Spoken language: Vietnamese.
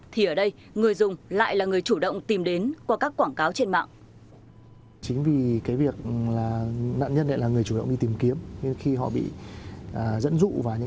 thì ở đây người dùng lại là người chủ động tìm đến qua các quảng cáo trên mạng